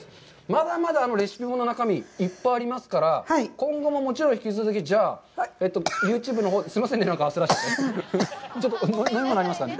まだまだレシピ本の中身、まだまだありますから、今後ももちろん引き続き、じゃあユーチューブのほう。すいませんね、焦らせてしまいまして。